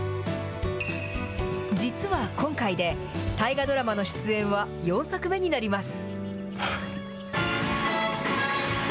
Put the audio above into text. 実は今回で、大河ドラマの出演は４作目になります。